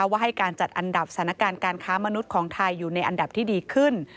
ว่าให้การจัดอันดับสถานการณ์การค้ามนุษย์ของไทยอยู่ในอันดับที่ดีขึ้น